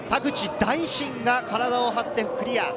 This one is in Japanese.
大慎が体を張ってクリア。